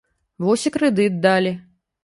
Вось і крэдыт далі.